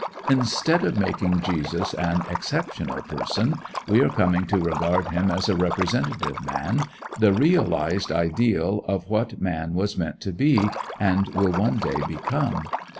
Instead of making Jesus an exceptional person, we are coming to regard him as a representative man, the realized ideal of what man was meant to be, and will one day become.